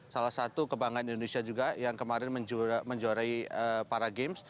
salah satu kebanggaan indonesia juga yang kemarin menjuarai para games